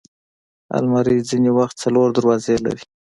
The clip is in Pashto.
الماري ځینې وخت څلور دروازې لري